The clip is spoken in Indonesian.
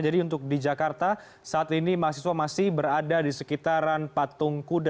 jadi untuk di jakarta saat ini mahasiswa masih berada di sekitaran patung kuda